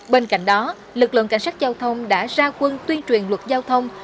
bên cạnh đó lực lượng cảnh sát giao thông đã ra quân tuyên truyền luật giao thông